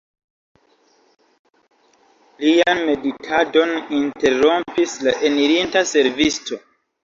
Lian meditadon interrompis la enirinta servisto.